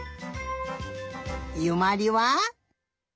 ゆまりは？